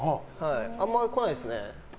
あんま来ないですね。